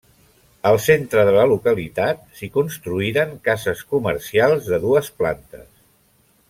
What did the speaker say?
Al centre de la localitat s'hi construïren cases comercials de dues plantes.